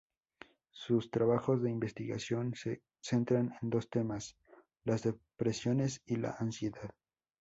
Sus trabajos de investigación se centran en dos temas: las depresiones y la ansiedad.